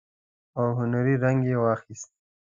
او هنري رنګ يې واخيست.